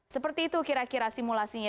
seperti itu kira kira simulasinya